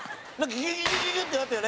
ギュギュってなったよね？